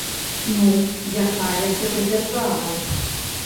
Ну якая гэта дзяржава?